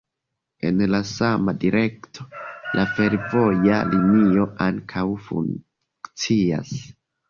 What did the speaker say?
En la sama direkto, la fervoja linio ankaŭ funkcias.